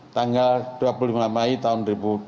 tanggal dua puluh lima mei tahun dua ribu dua puluh